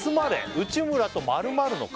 内村と○○の会」